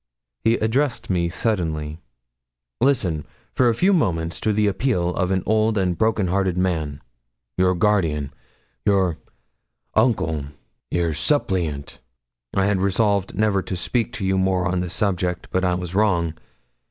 He addressed me suddenly 'Listen, for a few moments, to the appeal of an old and broken hearted man your guardian your uncle your suppliant. I had resolved never to speak to you more on this subject. But I was wrong.